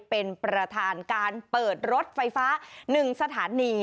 เป็นประธานการเปิดรถไฟฟ้า๑สถานี